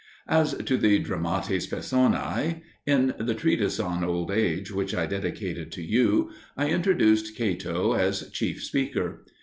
As to the dramatis personae. In the treatise on Old Age, which I dedicated to you, I introduced Cato as chief speaker.